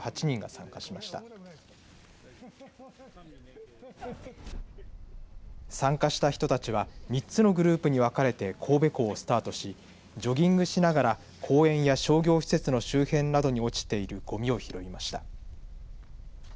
参加した人たちは３つのグループに分かれて神戸港をスタートしジョギングしながら公園や商業施設の周辺などに落ちているごみを拾いました。